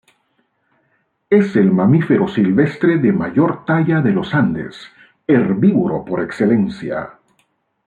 Es el mamífero silvestre de mayor talla de los Andes, herbívoro por excelencia.